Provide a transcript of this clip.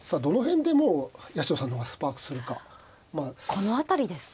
この辺りですか？